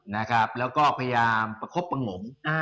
นะครับแล้วก็พยายามประคบประงงม